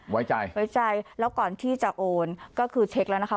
ไว้ใจไว้ใจแล้วก่อนที่จะโอนก็คือเช็คแล้วนะคะ